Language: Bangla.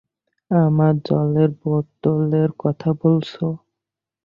আমার জলের বোতলের কথা বলছো?